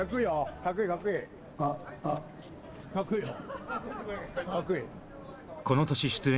かっこいい。